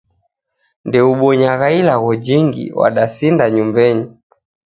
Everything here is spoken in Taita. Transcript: Ndeubonyagha ilagho jingi, wadasida nyumbenyi